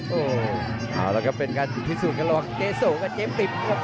โอ้แล้วก็เป็นการพิสูจน์กันระหว่างเจ๊โซ่กับเจ๊ปริบ